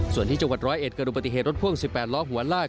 ส่วนที่จังหวัดร้อยเอ็ดเกิดอุบัติเหตุรถพ่วง๑๘ล้อหัวลาก